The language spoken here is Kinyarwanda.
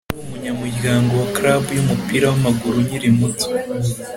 nari umunyamuryango wa club yumupira wamaguru nkiri muto